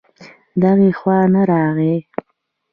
دغې خوا نه راغی